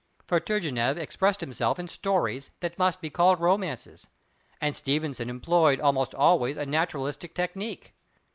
For Turgenev expressed himself in stories that must be called romances, and Stevenson employed almost always a naturalistic technique.